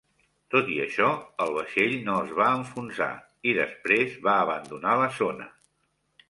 Tot i això, el vaixell no es va enfonsar i després va abandonar la zona.